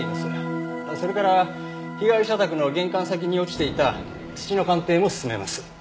それから被害者宅の玄関先に落ちていた土の鑑定も進めます。